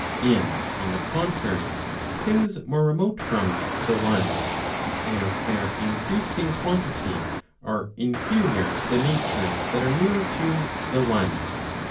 And on the contrary, things more remote from the one, as they are increased in quantity, are inferior to the natures that are nearer to the one.